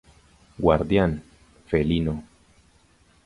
Guardián: Felino.